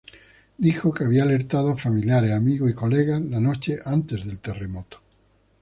Dijo que había alertado a familiares, amigos y colegas la noche antes del terremoto.